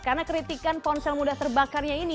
karena kritikan ponsel mudah terbakarnya ini